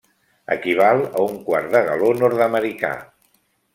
Equival a un quart de galó nord-americà.